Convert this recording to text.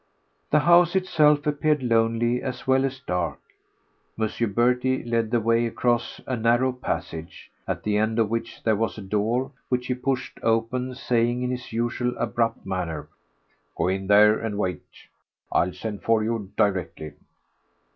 The house itself appeared lonely as well as dark. M. Berty led the way across a narrow passage, at the end of which there was a door which he pushed open, saying in his usual abrupt manner: "Go in there and wait. I'll send for you directly."